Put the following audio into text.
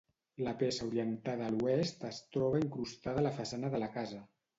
La peça orientada a l'oest es troba incrustada a la façana de la casa.